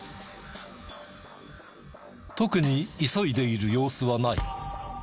特に急いでいる様子はない。